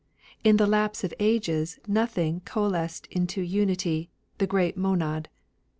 In the lapse of ages Nothing coalesced into Unity, the Great Monad.